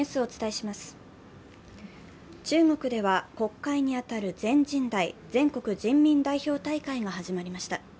中国では国会に当たる全人代＝全国人民代表大会が始まりました。